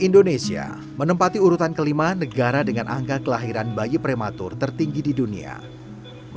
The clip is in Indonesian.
dan ibu dan bayi jadi bersatu kembali dirumah